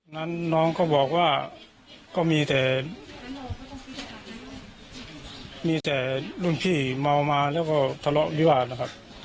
น้องเขาบอกว่าก็มีแต่มีแต่รุ่นพี่เมามาแล้วก็ทะเลาะวิวาสนะครับ